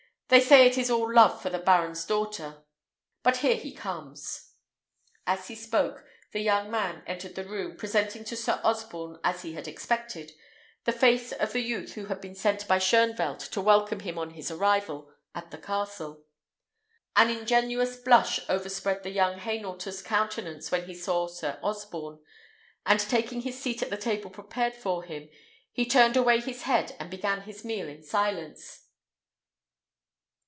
They say it is all love for the baron's daughter. But here he comes." As he spoke, the young man entered the room, presenting to Sir Osborne, as he had expected, the face of the youth who had been sent by Shoenvelt to welcome him on his arrival at the castle. An ingenuous blush overspread the young Hainaulter's countenance when he saw Sir Osborne, and taking his seat at the table prepared for him, he turned away his head and began his meal in silence.